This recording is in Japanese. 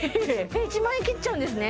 １万円切っちゃうんですね